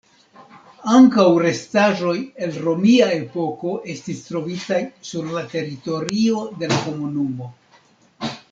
Ankaŭ restaĵoj el romia epoko estis trovitaj sur la teritorio de la komunumo.